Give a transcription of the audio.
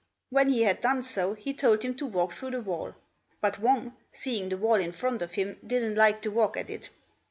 When he had done so he told him to walk through the wall; but Wang, seeing the wall in front of him, didn't like to walk at it.